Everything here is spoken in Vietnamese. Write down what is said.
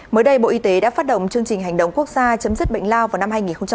mới đây bộ y tế đã phát động chương trình hành động quốc gia chấm dứt bệnh lao vào năm hai nghìn ba mươi